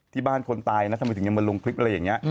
ที่บ้านคนตายนะทำไมถึงยังมาลงคลิปอะไรอย่างนี้